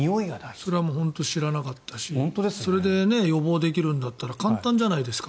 それは本当に知らなかったしそれで予防できるんだったら簡単じゃないですか。